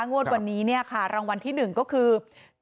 งวดวันนี้ค่ะรางวัลที่๑ก็คือ๙๑๕๔๗๘